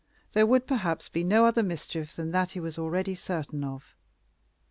There would, perhaps, be no other mischief than what he was already certain of.